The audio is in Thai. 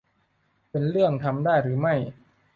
เป็นเรื่องทำได้หรือไม่